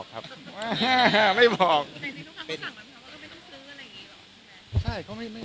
ทุกคนเขาสั่งมาเพราะว่าไม่ได้ซื้ออะไรอย่างนี้หรอครับ